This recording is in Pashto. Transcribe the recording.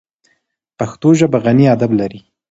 پښتو ژبه غني ادب لري.